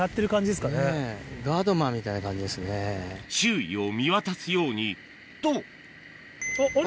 周囲を見渡すようにとあれ？